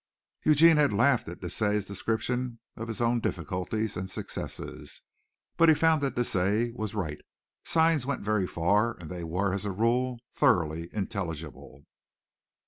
Eugene had laughed at Deesa's descriptions of his own difficulties and successes, but he found that Deesa was right. Signs went very far and they were, as a rule, thoroughly intelligible.